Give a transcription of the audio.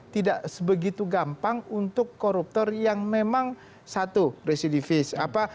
tidak sebegitu gampang untuk koruptor yang memang satu residivis